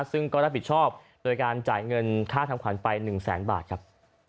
ซึ่งก็รับผิดชอบโดยการจ่ายเงินค่าทำขวัญไป๑แสนบาทครับ